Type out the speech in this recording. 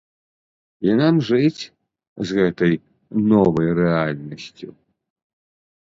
І нам жыць з гэтай новай рэальнасцю.